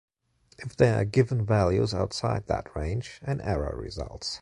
If they are given values outside that range, an error results.